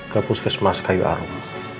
gapus kesemas kayu arum